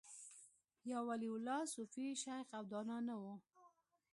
یو ولي الله، صوفي، شیخ او دانا نه و